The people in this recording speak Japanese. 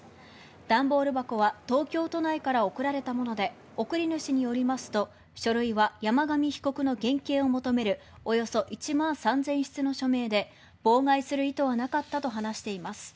段ボール箱は東京都内から送られたもので送り主によりますと書類は山上被告の減刑を求めるおよそ１万３０００筆の署名で妨害する意図はなかったと話しています。